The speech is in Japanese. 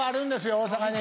大阪に。